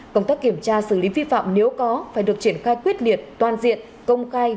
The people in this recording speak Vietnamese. công tác kiểm tra xử lý vi phạm nếu có phải được triển khai quyết liệt toàn diện công khai